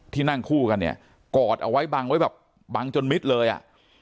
นั่งคู่กันเนี่ยกอดเอาไว้บังไว้แบบบังจนมิดเลยอ่ะ